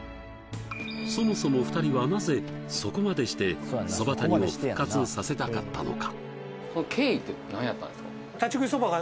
そもそも２人はなぜそこまでしてそば谷を復活させたかったのか？